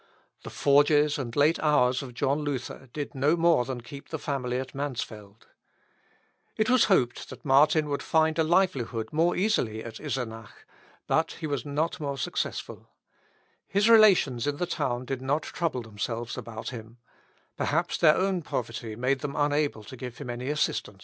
The forges and late hours of John Luther did no more than keep the family at Mansfield. It was hoped that Martin would find a livelihood more easily at Isenach, but he was not more successful. His relations in the town did not trouble themselves about him. Perhaps their own poverty made them unable to give him any assistance. "Isenachum enim pene totam parentelam habet." (Luth. Ep.